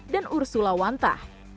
dan ursula wanta